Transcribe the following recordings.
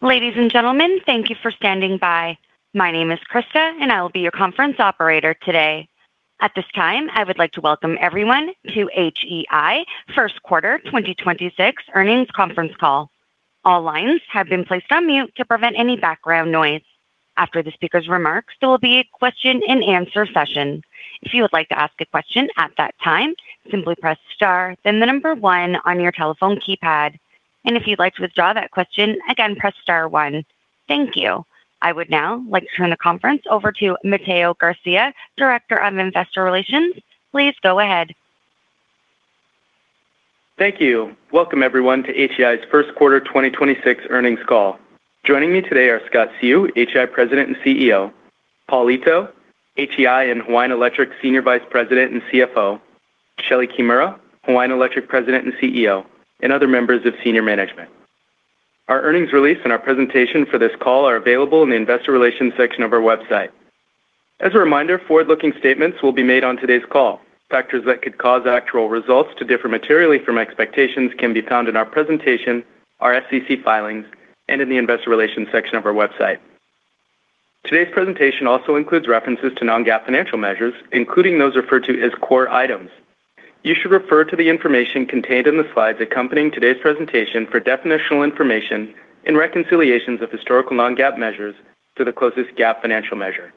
Ladies and gentlemen, thank you for standing by. My name is Krista and I will be your conference operator today. At this time, I would like to welcome everyone to HEI first quarter 2026 earnings conference call. All lines have been placed on mute to prevent any background noise. After the speaker's remarks, there will be a question-and-answer session. If you would like to ask a question at that time, simply press star, then the number one on your telephone keypad. If you'd like to withdraw that question, again, press star one. Thank you. I would now like to turn the conference over to Mateo Garcia, Director of Investor Relations. Please go ahead. Thank you. Welcome, everyone, to HEI's first quarter 2026 earnings call. Joining me today are Scott Seu, HEI President and CEO. Paul Ito, HEI and Hawaiian Electric Senior Vice President and CFO. Shelee Kimura, Hawaiian Electric President and CEO, and other members of senior management. Our earnings release and our presentation for this call are available in the investor relations section of our website. As a reminder, forward-looking statements will be made on today's call. Factors that could cause actual results to differ materially from expectations can be found in our presentation, our SEC filings, and in the investor relations section of our website. Today's presentation also includes references to non-GAAP financial measures, including those referred to as core items. You should refer to the information contained in the slides accompanying today's presentation for definitional information and reconciliations of historical non-GAAP measures to the closest GAAP financial measure.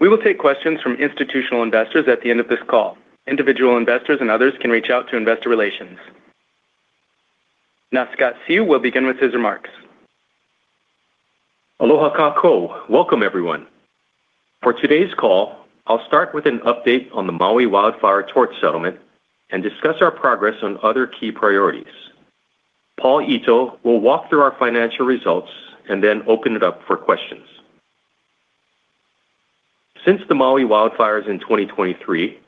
We will take questions from institutional investors at the end of this call. Individual investors and others can reach out to investor relations. Now, Scott Seu will begin with his remarks. Aloha kakou. Welcome, everyone. For today's call, I'll start with an update on the Maui Wildfire tort settlement and discuss our progress on other key priorities. Paul Ito will walk through our financial results and then open it up for questions. Since the Maui wildfires in 2023,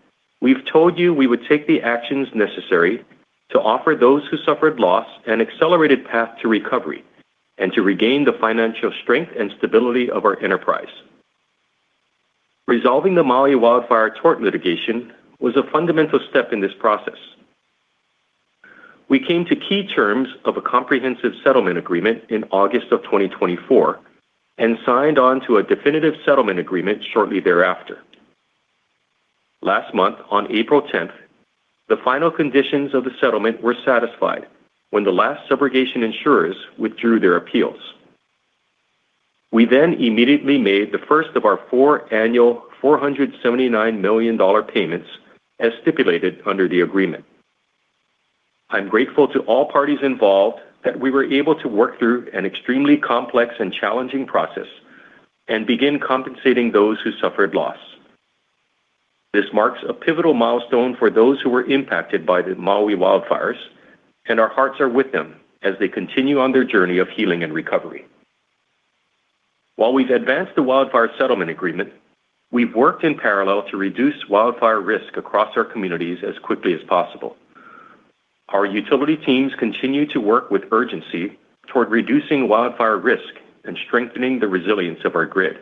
we've told you we would take the actions necessary to offer those who suffered loss an accelerated path to recovery and to regain the financial strength and stability of our enterprise. Resolving the Maui Wildfire tort litigation was a fundamental step in this process. We came to key terms of a comprehensive settlement agreement in August of 2024 and signed on to a definitive settlement agreement shortly thereafter. Last month, on April 10th, the final conditions of the settlement were satisfied when the last subrogation insurers withdrew their appeals. We immediately made the first of our four annual $479 million payments as stipulated under the agreement. I'm grateful to all parties involved that we were able to work through an extremely complex and challenging process and begin compensating those who suffered loss. This marks a pivotal milestone for those who were impacted by the Maui wildfires, and our hearts are with them as they continue on their journey of healing and recovery. While we've advanced the wildfire settlement agreement, we've worked in parallel to reduce wildfire risk across our communities as quickly as possible. Our utility teams continue to work with urgency toward reducing wildfire risk and strengthening the resilience of our grid.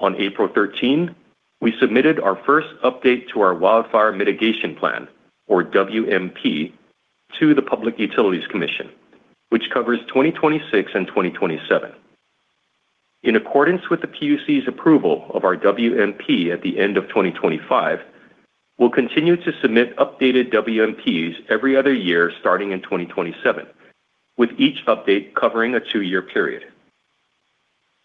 On April 13, we submitted our first update to our Wildfire Mitigation Plan or WMP to the Public Utilities Commission, which covers 2026 and 2027. In accordance with the PUC's approval of our WMP at the end of 2025, we'll continue to submit updated WMPs every other year starting in 2027, with each update covering a two-year period.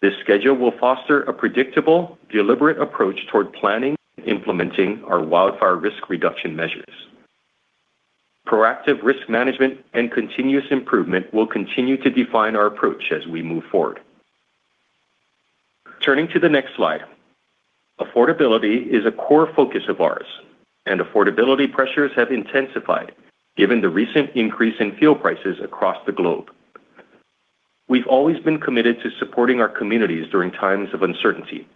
This schedule will foster a predictable, deliberate approach toward planning and implementing our wildfire risk reduction measures. Proactive risk management and continuous improvement will continue to define our approach as we move forward. Turning to the next slide. Affordability is a core focus of ours, and affordability pressures have intensified given the recent increase in fuel prices across the globe. We've always been committed to supporting our communities during times of uncertainty,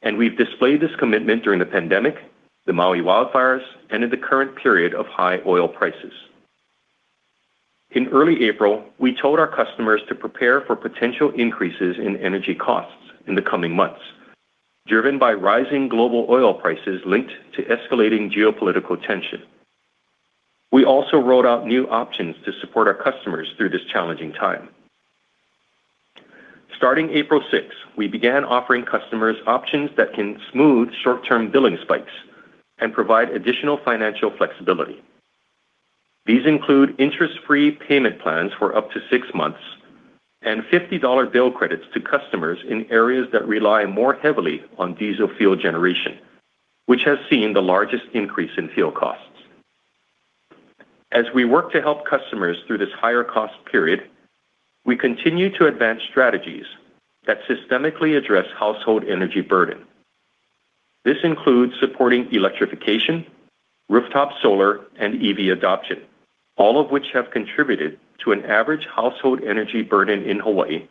and we've displayed this commitment during the pandemic, the Maui Wildfires, and in the current period of high oil prices. In early April, we told our customers to prepare for potential increases in energy costs in the coming months, driven by rising global oil prices linked to escalating geopolitical tension. We also rolled out new options to support our customers through this challenging time. Starting April 6, we began offering customers options that can smooth short-term billing spikes and provide additional financial flexibility. These include interest-free payment plans for up to six months and $50 bill credits to customers in areas that rely more heavily on diesel fuel generation, which has seen the largest increase in fuel costs. As we work to help customers through this higher cost period, we continue to advance strategies that systemically address household energy burden. This includes supporting electrification, rooftop solar, and EV adoption, all of which have contributed to an average household energy burden in Hawaii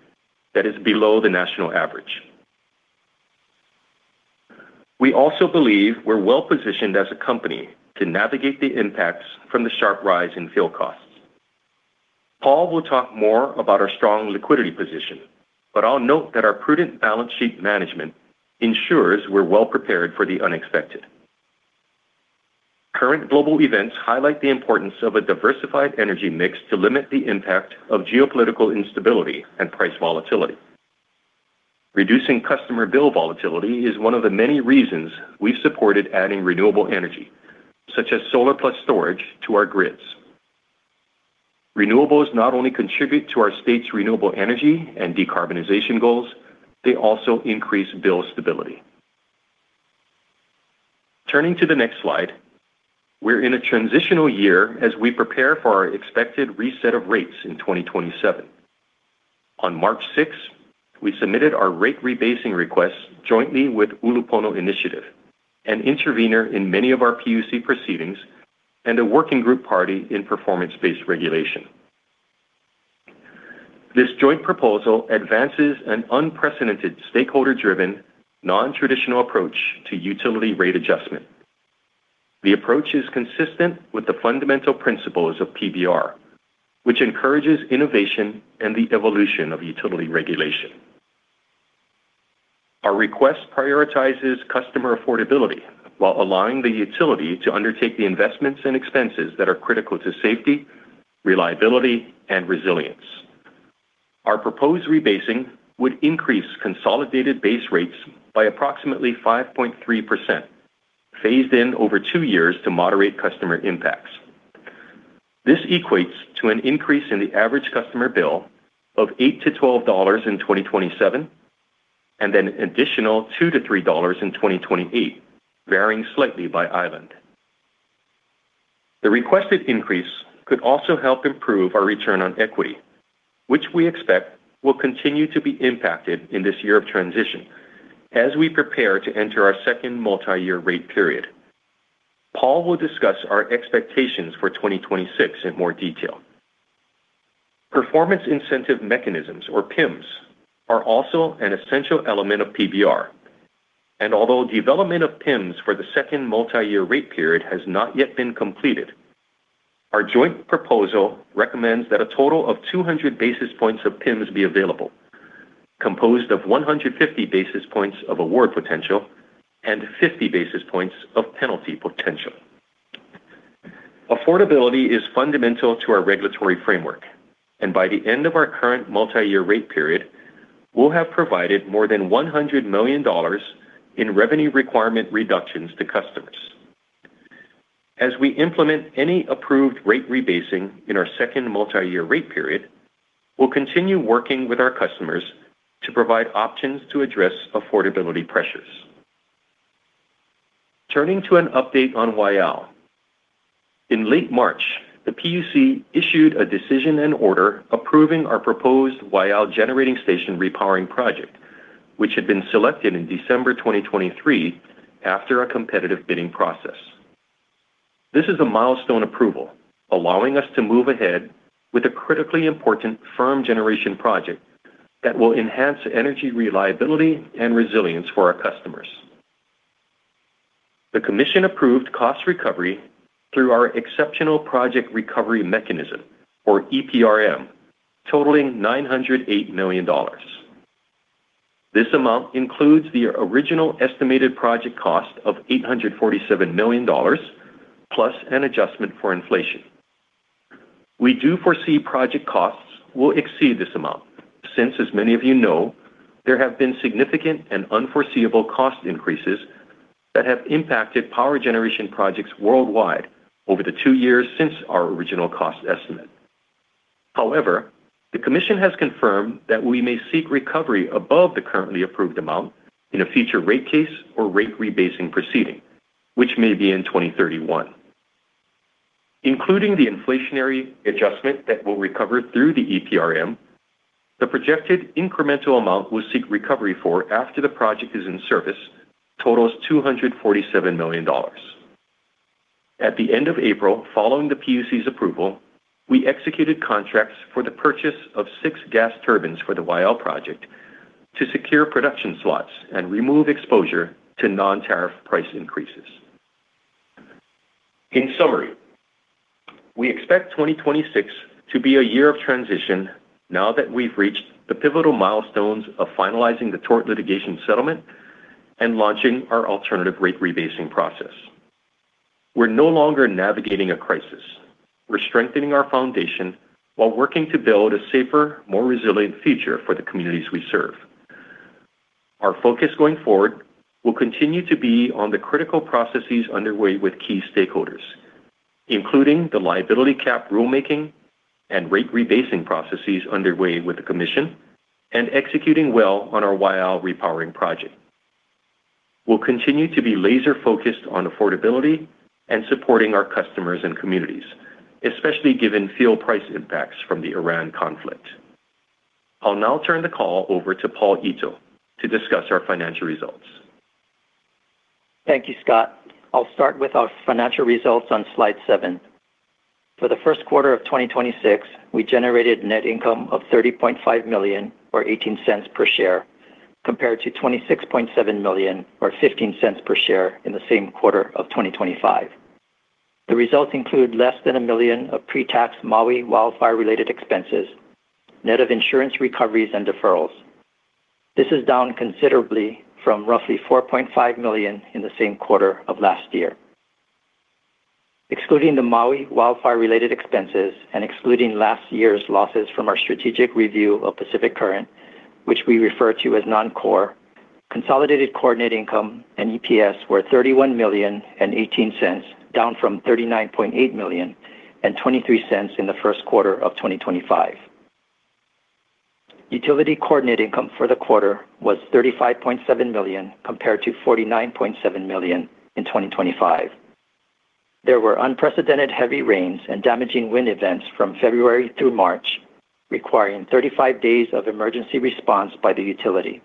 that is below the national average. We also believe we're well-positioned as a company to navigate the impacts from the sharp rise in fuel costs. Paul Ito will talk more about our strong liquidity position, but I'll note that our prudent balance sheet management ensures we're well prepared for the unexpected. Current global events highlight the importance of a diversified energy mix to limit the impact of geopolitical instability and price volatility. Reducing customer bill volatility is one of the many reasons we've supported adding renewable energy, such as solar plus storage, to our grids. Renewables not only contribute to our state's renewable energy and decarbonization goals, they also increase bill stability. Turning to the next slide, we're in a transitional year as we prepare for our expected reset of rates in 2027. On March 6, we submitted our rate rebasing requests jointly with Ulupono Initiative, an intervener in many of our PUC proceedings and a working group party in performance-based regulation. This joint proposal advances an unprecedented stakeholder-driven, non-traditional approach to utility rate adjustment. The approach is consistent with the fundamental principles of PBR, which encourages innovation and the evolution of utility regulation. Our request prioritizes customer affordability while allowing the utility to undertake the investments and expenses that are critical to safety, reliability, and resilience. Our proposed rebasing would increase consolidated base rates by approximately 5.3%, phased in over two years to moderate customer impacts. This equates to an increase in the average customer bill of $8-$12 in 2027, then an additional $2-$3 in 2028, varying slightly by island. The requested increase could also help improve our return on equity, which we expect will continue to be impacted in this year of transition as we prepare to enter our second multi-year rate period. Paul will discuss our expectations for 2026 in more detail. Performance incentive mechanisms, or PIMs, are also an essential element of PBR. Although development of PIMs for the second multi-year rate period has not yet been completed, our joint proposal recommends that a total of 200 basis points of PIMs be available, composed of 150 basis points of award potential and 50 basis points of penalty potential. Affordability is fundamental to our regulatory framework. By the end of our current multi-year rate period, we'll have provided more than $100 million in revenue requirement reductions to customers. As we implement any approved rate rebasing in our second multi-year rate period, we'll continue working with our customers to provide options to address affordability pressures. Turning to an update on Waiau. In late March, the PUC issued a decision and order approving our proposed Waiau Generating Station repowering project, which had been selected in December 2023 after a competitive bidding process. This is a milestone approval, allowing us to move ahead with a critically important firm generation project that will enhance energy reliability and resilience for our customers. The commission approved cost recovery through our Exceptional Project Recovery Mechanism, or EPRM, totaling $908 million. This amount includes the original estimated project cost of $847 million, plus an adjustment for inflation. We do foresee project costs will exceed this amount since, as many of you know, there have been significant and unforeseeable cost increases that have impacted power generation projects worldwide over the two years since our original cost estimate. The Commission has confirmed that we may seek recovery above the currently approved amount in a future rate case or rate rebasing proceeding, which may be in 2031. Including the inflationary adjustment that we'll recover through the EPRM, the projected incremental amount we'll seek recovery for after the project is in service totals $247 million. At the end of April, following the PUC's approval, we executed contracts for the purchase of six gas turbines for the Waiau project to secure production slots and remove exposure to non-tariff price increases. In summary, we expect 2026 to be a year of transition now that we've reached the pivotal milestones of finalizing the Maui Wildfire tort settlement and launching our alternative rate rebasing process. We're no longer navigating a crisis. We're strengthening our foundation while working to build a safer, more resilient future for the communities we serve. Our focus going forward will continue to be on the critical processes underway with key stakeholders, including the liability cap rulemaking and rate rebasing processes underway with the commission and executing well on our Waiau repowering project. We'll continue to be laser-focused on affordability and supporting our customers and communities, especially given fuel price impacts from the Iran conflict. I'll now turn the call over to Paul Ito to discuss our financial results. Thank you, Scott. I'll start with our financial results on slide seven. For the first quarter of 2026, we generated net income of $30.5 million or $0.18 per share, compared to $26.7 million or $0.15 per share in the same quarter of 2025. The results include less than $1 million of pre-tax Maui wildfire-related expenses, net of insurance recoveries and deferrals. This is down considerably from roughly $4.5 million in the same quarter of last year. Excluding the Maui wildfire-related expenses and excluding last year's losses from our strategic review of Pacific Current, which we refer to as non-core, consolidated core net income and EPS were $31 million and $0.18, down from $39.8 million and $0.23 in the first quarter of 2025. Hawaiian Electric core net income for the quarter was $35.7 million compared to $49.7 million in 2025. There were unprecedented heavy rains and damaging wind events from February through March, requiring 35 days of emergency response by Hawaiian Electric.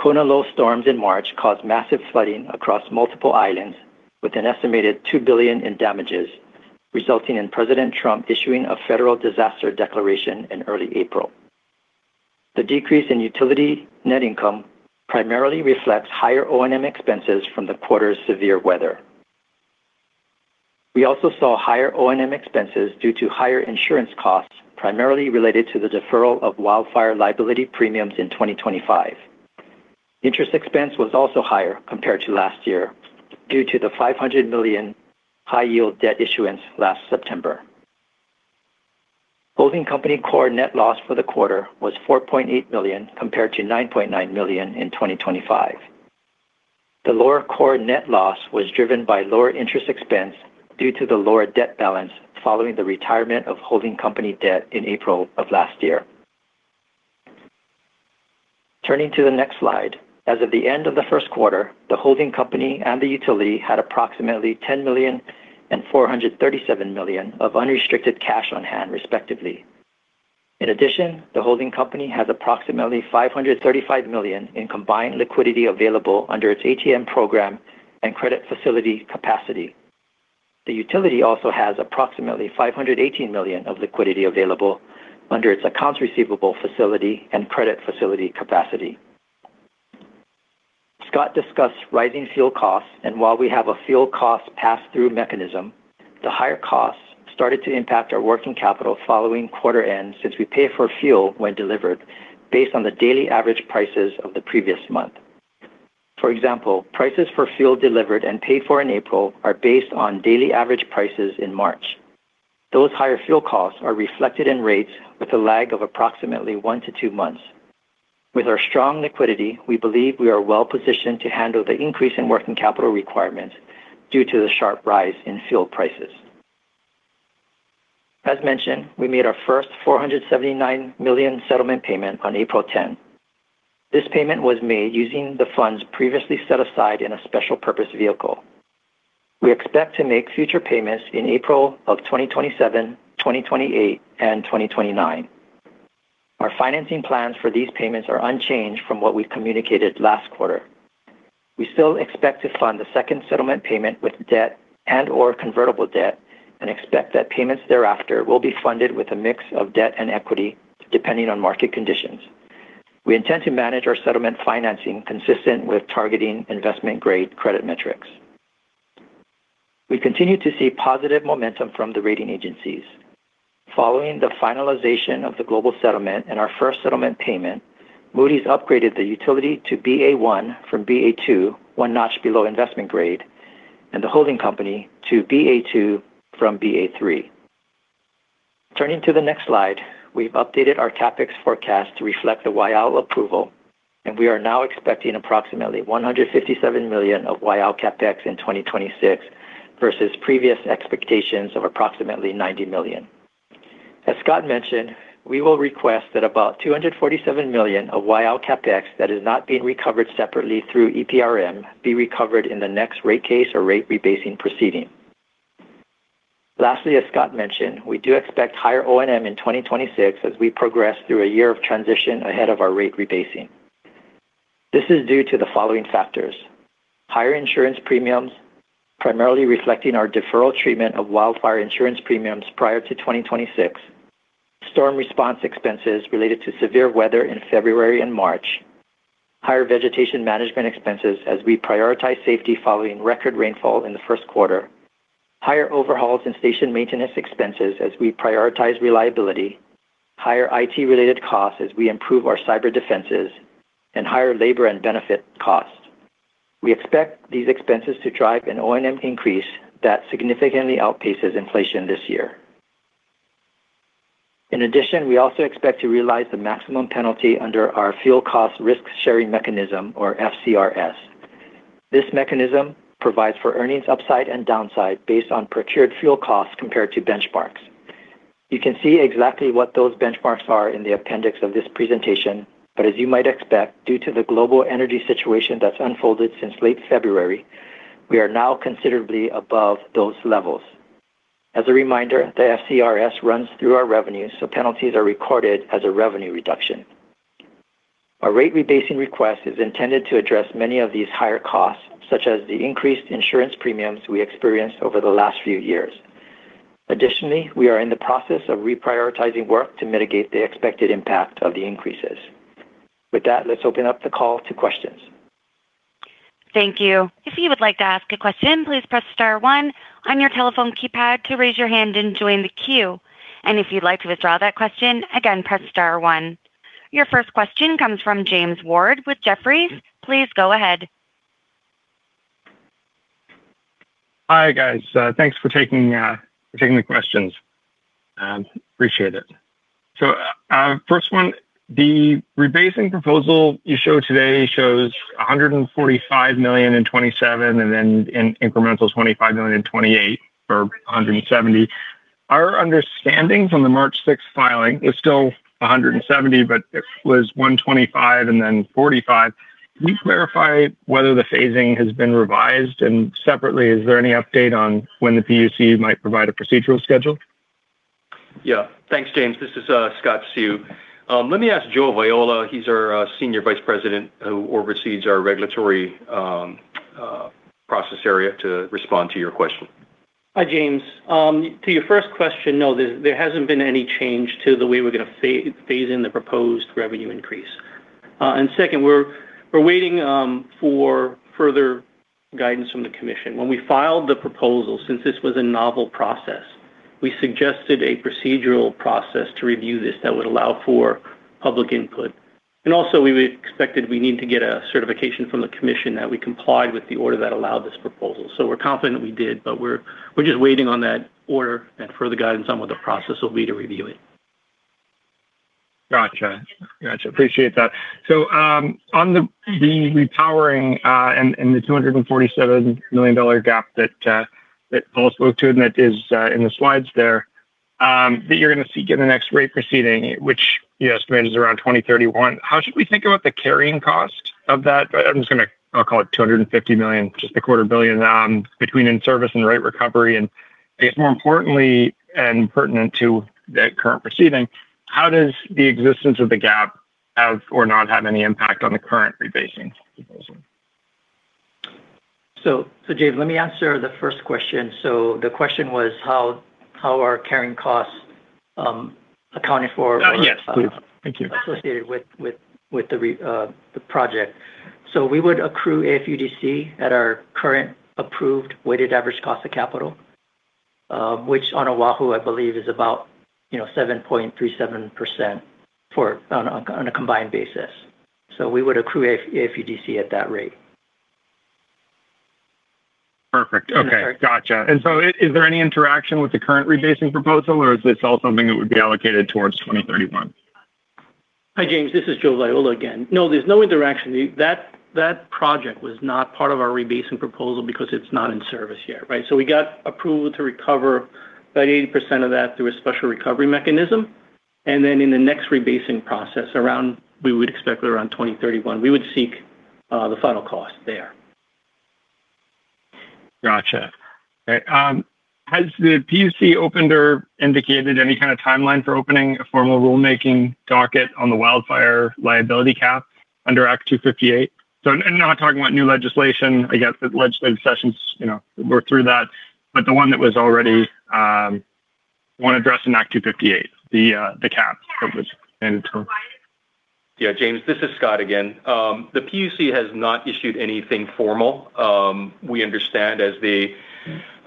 Kona low storms in March caused massive flooding across multiple islands with an estimated $2 billion in damages, resulting in President Trump issuing a federal disaster declaration in early April. The decrease in Hawaiian Electric net income primarily reflects higher O&M expenses from the quarter's severe weather. We also saw higher O&M expenses due to higher insurance costs, primarily related to the deferral of wildfire liability premiums in 2025. Interest expense was also higher compared to last year due to the $500 million high-yield debt issuance last September. Holding company core net loss for the quarter was $4.8 million compared to $9.9 million in 2025. The lower core net loss was driven by lower interest expense due to the lower debt balance following the retirement of holding company debt in April of last year. Turning to the next slide, as of the end of the first quarter, the holding company and the utility had approximately $10 million and $437 million of unrestricted cash on hand, respectively. In addition, the holding company has approximately $535 million in combined liquidity available under its ATM program and credit facility capacity. The utility also has approximately $518 million of liquidity available under its accounts receivable facility and credit facility capacity. Scott discussed rising fuel costs, and while we have a fuel cost pass-through mechanism, the higher costs started to impact our working capital following quarter end since we pay for fuel when delivered based on the daily average prices of the previous month. For example, prices for fuel delivered and paid for in April are based on daily average prices in March. Those higher fuel costs are reflected in rates with a lag of approximately one to two months. With our strong liquidity, we believe we are well-positioned to handle the increase in working capital requirements due to the sharp rise in fuel prices. As mentioned, we made our first $479 million settlement payment on April 10. This payment was made using the funds previously set aside in a special purpose vehicle. We expect to make future payments in April of 2027, 2028, and 2029. Our financing plans for these payments are unchanged from what we communicated last quarter. We still expect to fund the second settlement payment with debt and/or convertible debt and expect that payments thereafter will be funded with a mix of debt and equity, depending on market conditions. We intend to manage our settlement financing consistent with targeting investment-grade credit metrics. We continue to see positive momentum from the rating agencies. Following the finalization of the global settlement and our first settlement payment, Moody's upgraded the utility to Ba1 from Ba2, one notch below investment-grade, and the holding company to Ba2 from Ba3. Turning to the next slide, we've updated our CapEx forecast to reflect the Waiau approval, and we are now expecting approximately $157 million of Waiau CapEx in 2026 versus previous expectations of approximately $90 million. As Scott mentioned, we will request that about $247 million of Waiau CapEx that is not being recovered separately through EPRM be recovered in the next rate case or rate rebasing proceeding. As Scott mentioned, we do expect higher O&M in 2026 as we progress through a year of transition ahead of our rate rebasing. This is due to the following factors. Higher insurance premiums, primarily reflecting our deferral treatment of wildfire insurance premiums prior to 2026, storm response expenses related to severe weather in February and March, higher vegetation management expenses as we prioritize safety following record rainfall in the first quarter, higher overhauls and station maintenance expenses as we prioritize reliability, higher IT-related costs as we improve our cyber defenses, and higher labor and benefit costs. We expect these expenses to drive an O&M increase that significantly outpaces inflation this year. In addition, we also expect to realize the maximum penalty under our Fuel Cost Risk Sharing mechanism, or FCRS. This mechanism provides for earnings upside and downside based on procured fuel costs compared to benchmarks. You can see exactly what those benchmarks are in the appendix of this presentation. As you might expect, due to the global energy situation that's unfolded since late February, we are now considerably above those levels. As a reminder, the FCRS runs through our revenue, so penalties are recorded as a revenue reduction. Our rate rebasing request is intended to address many of these higher costs, such as the increased insurance premiums we experienced over the last few years. We are in the process of reprioritizing work to mitigate the expected impact of the increases. Let's open up the call to questions. Thank you. If you would like to ask a question then press star one one on your telephone keypad, to raise your hand then join the que. Then if you would like to withdrawal that question again please press star one. Your first question comes from James Ward with Jefferies. Please go ahead. Hi, guys. Thanks for taking for taking the questions. Appreciate it. First one, the rebasing proposal you showed today shows $145 million in 2027, then in incremental $25 million in 2028 for $170 million. Our understanding from the March 6 filing is still $170 million, but it was $125 million and then $45 million. Can you clarify whether the phasing has been revised? Separately, is there any update on when the PUC might provide a procedural schedule? Yeah. Thanks, James. This is Scott Seu. Let me ask Joe Viola, he's our Senior Vice President who oversees our regulatory process area, to respond to your question. Hi, James Ward. To your first question, no, there hasn't been any change to the way we're gonna phase in the proposed revenue increase. Second, we're waiting for further guidance from the Commission. When we filed the proposal, since this was a novel process, we suggested a procedural process to review this that would allow for public input. Also, we expected we need to get a certification from the Commission that we complied with the order that allowed this proposal. We're confident we did, but we're just waiting on that order and further guidance on what the process will be to review it. Gotcha. Gotcha. Appreciate that. On the repowering and the $247 million gap that Paul spoke to and that is in the slides there, that you're gonna seek in the next rate proceeding, which you estimate is around 2031, how should we think about the carrying cost of that? I'll call it $250 million, just a quarter billion, between in service and rate recovery. I guess more importantly, and pertinent to the current proceeding, how does the existence of the gap have or not have any impact on the current rebasing proposal? James, let me answer the first question. The question was how are carrying costs, accounted for. Yes, please. Thank you. Associated with the project. We would accrue AFUDC at our current approved weighted average cost of capital, which on Oahu, I believe, is about, you know, 7.37% for on a combined basis. We would accrue AFUDC at that rate. Perfect. Okay. Does that answer- Gotcha. Is there any interaction with the current rebasing proposal, or is this all something that would be allocated towards 2031? Hi, James. This is Joe Viola again. No, there's no interaction. That project was not part of our rebasing proposal because it's not in service yet, right? We got approval to recover about 80% of that through a special recovery mechanism, and then in the next rebasing process around, we would expect around 2031, we would seek the final cost there. Gotcha. Okay. Has the PUC opened or indicated any kind of timeline for opening a formal rulemaking docket on the wildfire liability cap under Act 258? Not talking about new legislation. I guess the legislative sessions, you know, we're through that. The one that was already addressed in Act 258, the cap that was entered. Yeah, James, this is Scott Seu again. The PUC has not issued anything formal. We understand as they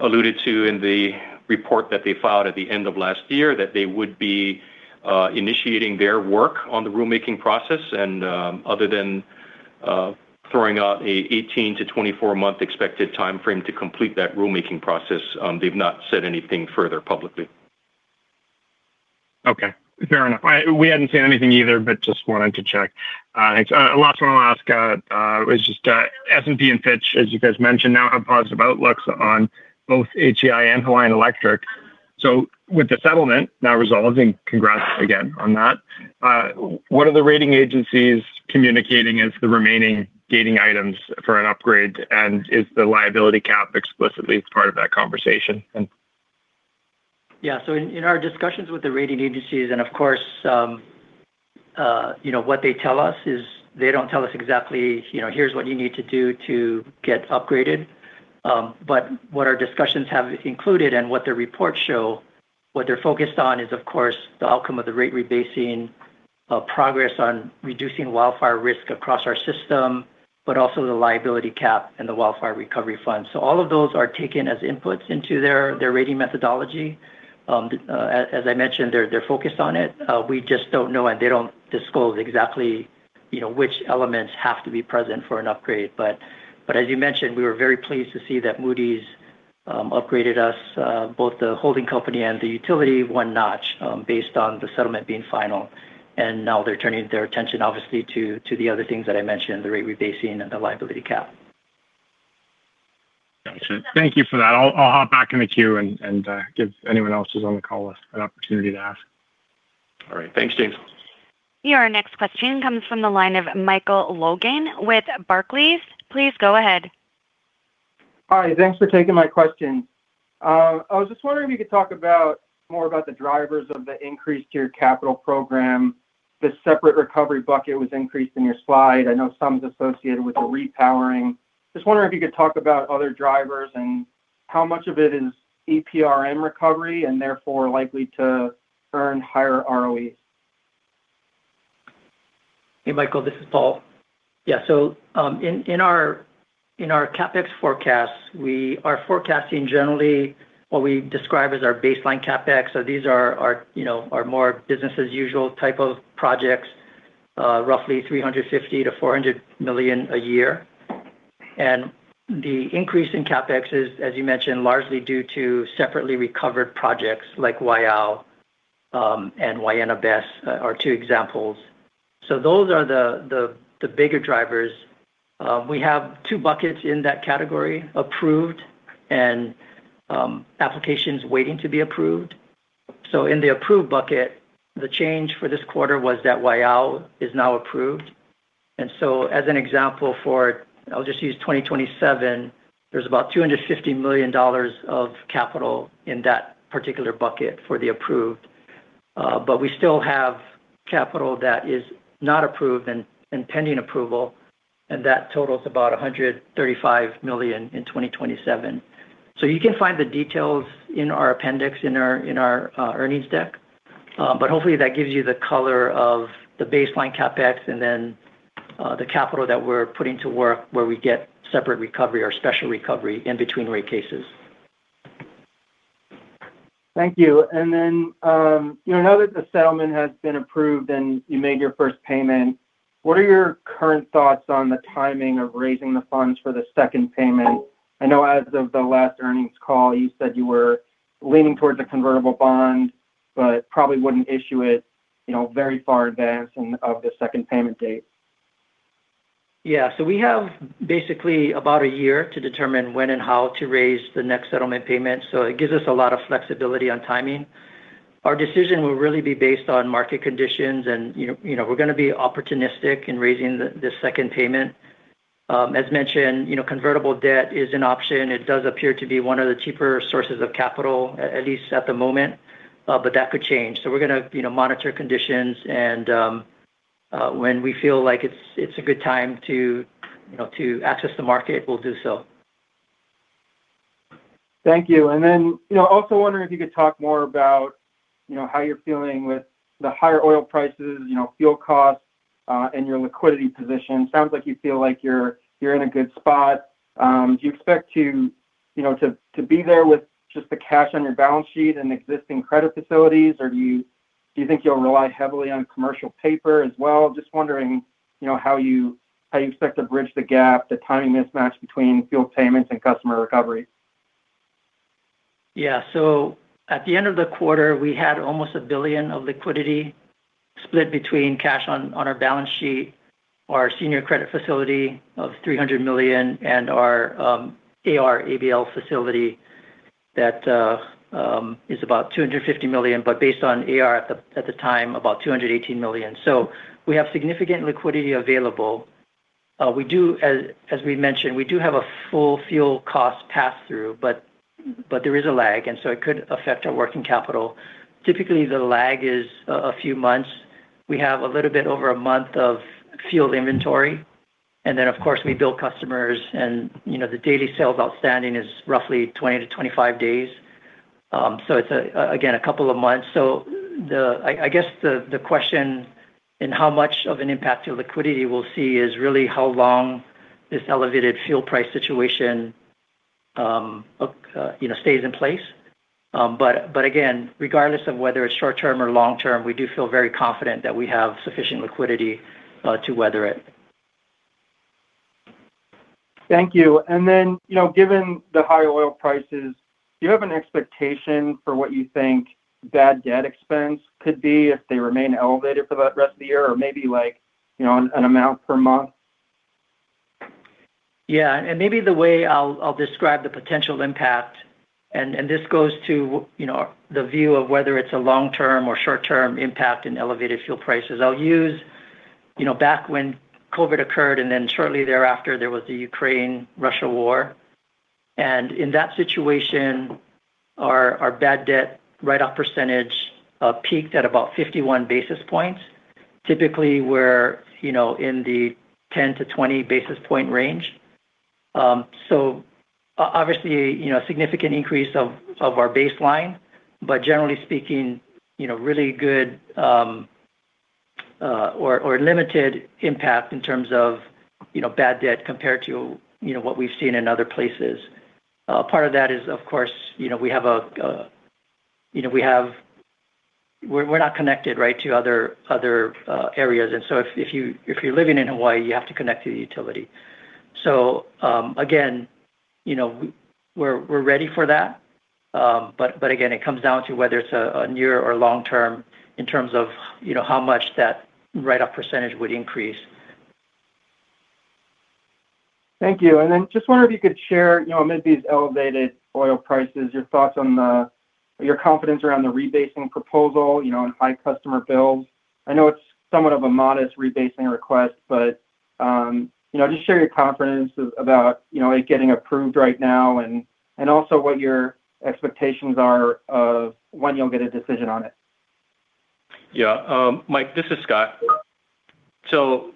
alluded to in the report that they filed at the end of last year that they would be initiating their work on the rulemaking process. Other than throwing out a 18-24 month expected timeframe to complete that rulemaking process, they've not said anything further publicly. Okay. Fair enough. We hadn't seen anything either, but just wanted to check. Thanks. Last one I'll ask is just S&P and Fitch, as you guys mentioned, now have positive outlooks on both HEI and Hawaiian Electric. With the settlement now resolving, congrats again on that, what are the rating agencies communicating as the remaining gating items for an upgrade, and is the liability cap explicitly part of that conversation? Yeah. In our discussions with the rating agencies, and of course, you know, what they tell us is they don't tell us exactly, you know, "Here's what you need to do to get upgraded." What our discussions have included and what the reports show, what they're focused on is, of course, the outcome of the rate rebasing, progress on reducing wildfire risk across our system, but also the liability cap and the wildfire recovery fund. All of those are taken as inputs into their rating methodology. As I mentioned, they're focused on it. We just don't know, and they don't disclose exactly, you know, which elements have to be present for an upgrade. As you mentioned, we were very pleased to see that Moody's upgraded us both the holding company and the utility one notch based on the settlement being final. Now they're turning their attention obviously to the other things that I mentioned, the rate rebasing and the liability cap. Gotcha. Thank you for that. I'll hop back in the queue and give anyone else who's on the call an opportunity to ask. All right. Thanks, James. Your next question comes from the line of Michael Logan with Barclays. Please go ahead. Hi. Thanks for taking my question. I was just wondering if you could talk about, more about the drivers of the increase to your capital program. The separate recovery bucket was increased in your slide. I know some is associated with the repowering. Just wondering if you could talk about other drivers and how much of it is EPRM recovery and therefore likely to earn higher ROEs? Hey, Michael, this is Paul. In our CapEx forecasts, we are forecasting generally what we describe as our baseline CapEx. These are our, you know, our more business as usual type of projects, roughly $350 million-$400 million a year. The increase in CapEx is, as you mentioned, largely due to separately recovered projects like Waiau, and Waena BESS are two examples. Those are the bigger drivers. We have two buckets in that category: approved and applications waiting to be approved. In the approved bucket, the change for this quarter was that Waiau is now approved. As an example for, I'll just use 2027, there's about $250 million of capital in that particular bucket for the approved. We still have capital that is not approved and pending approval, and that totals about $135 million in 2027. You can find the details in our appendix in our earnings deck. Hopefully that gives you the color of the baseline CapEx and then the capital that we're putting to work where we get separate recovery or special recovery in between rate cases. Thank you. You know, now that the settlement has been approved and you made your first payment, what are your current thoughts on the timing of raising the funds for the second payment? I know as of the last earnings call, you said you were leaning towards a convertible bond, but probably wouldn't issue it, you know, very far in advance of the second payment date. Yeah. We have basically about a year to determine when and how to raise the next settlement payment. It gives us a lot of flexibility on timing. Our decision will really be based on market conditions. You know, we're gonna be opportunistic in raising this second payment. As mentioned, you know, convertible debt is an option. It does appear to be one of the cheaper sources of capital, at least at the moment, but that could change. We're gonna, you know, monitor conditions and when we feel like it's a good time to, you know, to access the market, we'll do so. Thank you. You know, also wondering if you could talk more about, you know, how you're feeling with the higher oil prices, you know, fuel costs, and your liquidity position. Sounds like you feel like you're in a good spot. Do you expect to, you know, to be there with just the cash on your balance sheet and existing credit facilities, or do you think you'll rely heavily on commercial paper as well? Just wondering, you know, how you expect to bridge the gap, the timing mismatch between fuel payments and customer recovery? At the end of the quarter, we had almost $1 billion of liquidity split between cash on our balance sheet, our senior credit facility of $300 million, and our AR ABL facility that is about $250 million, but based on AR at the time, about $218 million. We have significant liquidity available. We do, as we mentioned, we do have a full fuel cost pass-through, but there is a lag, and so it could affect our working capital. Typically, the lag is a few months. We have a little bit over a month of fuel inventory. Of course, we bill customers and, you know, the daily sales outstanding is roughly 20-25 days. It's again a couple of months. The question in how much of an impact to liquidity we'll see is really how long this elevated fuel price situation, you know, stays in place. Again, regardless of whether it's short-term or long-term, we do feel very confident that we have sufficient liquidity to weather it. Thank you. You know, given the high oil prices, do you have an expectation for what you think bad debt expense could be if they remain elevated for the rest of the year or maybe like, you know, an amount per month? Yeah. Maybe the way I'll describe the potential impact, and this goes to, you know, the view of whether it's a long-term or short-term impact in elevated fuel prices. I'll use, you know, back when COVID occurred, then shortly thereafter, there was the Ukraine-Russia war. In that situation, our bad debt write-off percentage peaked at about 51 basis points. Typically, we're, you know, in the 10-20 basis point range. Obviously, you know, a significant increase of our baseline, but generally speaking, you know, really good, or limited impact in terms of, you know, bad debt compared to, you know, what we've seen in other places. Part of that is, of course, you know, we're not connected, right, to other areas. If you're living in Hawaii, you have to connect to the utility. Again, you know, we're ready for that. But again, it comes down to whether it's a near or long-term in terms of, you know, how much that write-off percentage would increase. Thank you. Then just wonder if you could share, you know, amid these elevated oil prices, your thoughts on your confidence around the rate rebasing proposal, you know, and high customer bills. I know it's somewhat of a modest rate rebasing request, but, you know, just share your confidence about, you know, it getting approved right now and, also what your expectations are of when you'll get a decision on it? Yeah. Mike, this is Scott. You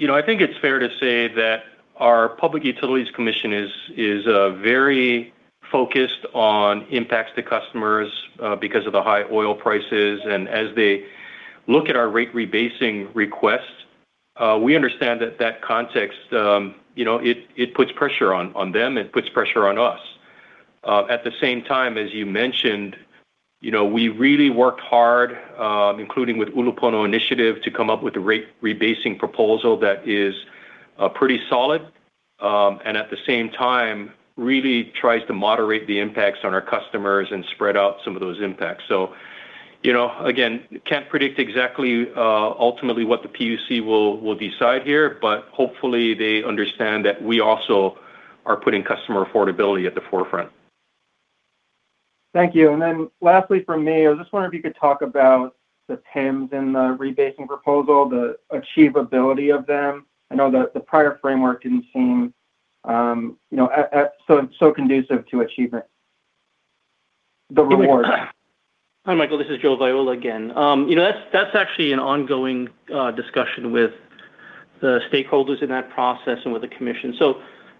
know, I think it's fair to say that our Public Utilities Commission is very focused on impacts to customers because of the high oil prices. As they look at our rate rebasing request, we understand that that context, you know, it puts pressure on them, it puts pressure on us. At the same time, as you mentioned, you know, we really worked hard, including with Ulupono Initiative, to come up with a rate rebasing proposal that is pretty solid, at the same time really tries to moderate the impacts on our customers and spread out some of those impacts. You know, again, can't predict exactly ultimately what the PUC will decide here, but hopefully they understand that we also are putting customer affordability at the forefront. Thank you. Lastly from me, I was just wondering if you could talk about the PIMs and the rebasing proposal, the achievability of them. I know that the prior framework didn't seem, you know, so conducive to achievement, the reward. Hi Michael, this is Joe Viola again. You know, that's actually an ongoing discussion with the stakeholders in that process and with the commission.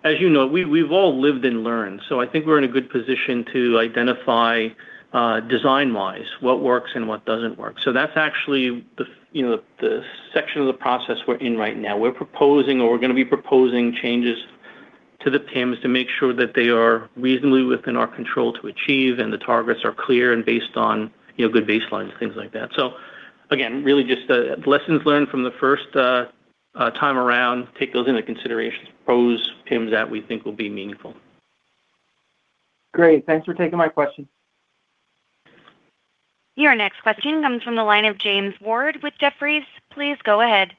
As you know, we've all lived and learned, so I think we're in a good position to identify design-wise, what works and what doesn't work. That's actually, you know, the section of the process we're in right now. We're proposing or we're gonna be proposing changes to the PIMs to make sure that they are reasonably within our control to achieve and the targets are clear and based on, you know, good baselines, things like that. Again, really just lessons learned from the first time around, take those into consideration, propose PIMs that we think will be meaningful. Great. Thanks for taking my question. Your next question comes from the line of James Ward with Jefferies. Please go ahead.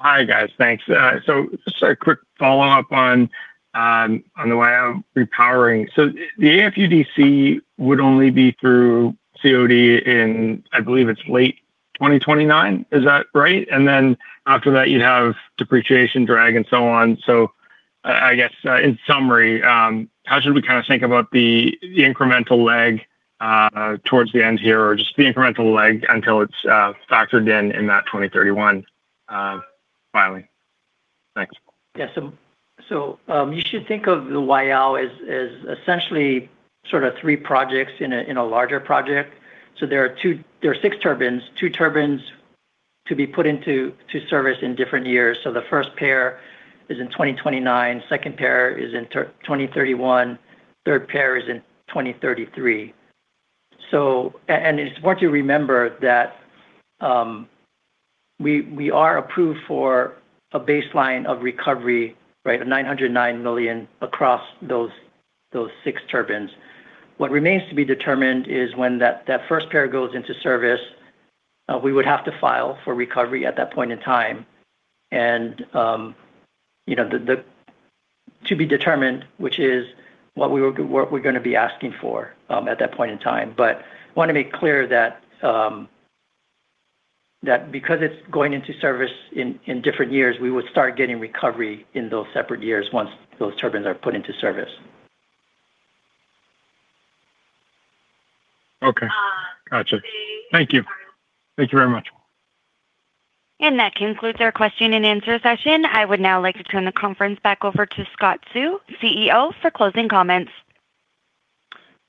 Hi guys. Thanks. Just a quick follow-up on the Waiau repowering. The AFUDC would only be through COD in, I believe it's late 2029. Is that right? After that you'd have depreciation drag and so on. I guess, in summary, how should we kind of think about the incremental lag towards the end here, or just the incremental lag until it's factored in that 2031 filing? Thanks. So, you should think of the Waiau as essentially sort of three projects in a larger project. There are six turbines, two turbines to be put into service in different years. The first pair is in 2029. Second pair is in 2031. Third pair is in 2033. And it's important to remember that we are approved for a baseline of recovery, right, of $909 million across those six turbines. What remains to be determined is when that first pair goes into service, we would have to file for recovery at that point in time. You know, the to be determined, which is what we're gonna be asking for at that point in time. Want to make clear that because it's going into service in different years, we would start getting recovery in those separate years once those turbines are put into service. Okay. Gotcha. Thank you. Thank you very much. That concludes our question-and-answer session. I would now like to turn the conference back over to Scott Seu, CEO, for closing comments.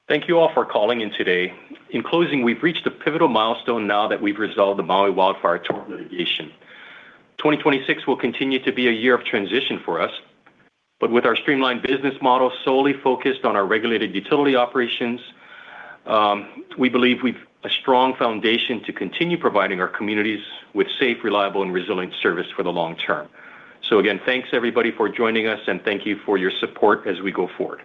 Thank you all for calling in today. In closing, we've reached a pivotal milestone now that we've resolved the Maui Wildfire Tort Litigation. 2026 will continue to be a year of transition for us. With our streamlined business model solely focused on our regulated utility operations, we believe we've a strong foundation to continue providing our communities with safe, reliable, and resilient service for the long term. Again, thanks everybody for joining us, and thank you for your support as we go forward.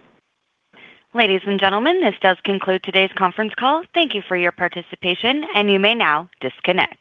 Ladies and gentlemen, this does conclude today's conference call. Thank you for your participation, and you may now disconnect.